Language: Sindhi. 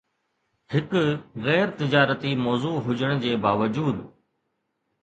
هڪ غير تجارتي موضوع هجڻ جي باوجود